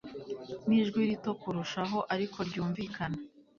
Nijwi rito kurushaho ariko ryumvikana